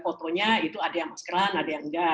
fotonya itu ada yang maskeran ada yang enggak